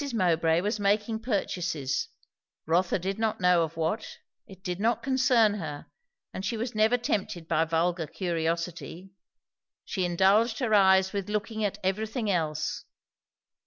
Mowbray was making purchases, Rotha did not know of what, it did not concern her; and she was never tempted by vulgar curiosity. She indulged her eyes with looking at everything else.